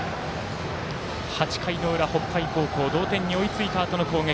８回の裏、北海高校同点に追いついたあとの攻撃。